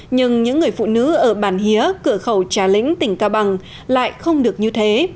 nhưng những người phụ nữ ở bản hía cửa khẩu trà lĩnh tỉnh cao bằng lại không được như thế